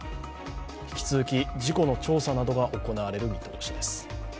引き続き事故の調査などが行われる見通しです。